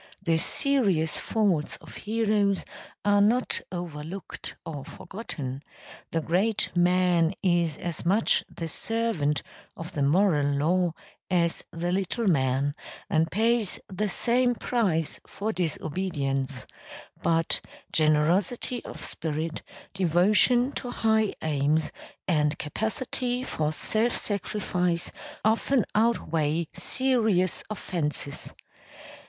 The serious faults of heroes are not overlooked or forgotten; the great man is as much the servant of the moral law as the little man, and pays the same price for disobedience; but generosity of spirit, devotion to high aims and capacity for self sacrifice often outweigh serious offences.